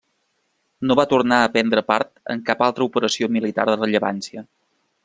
No va tornar a prendre part en cap altra operació militar de rellevància.